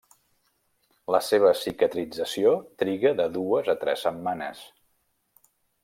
La seva cicatrització triga de dues a tres setmanes.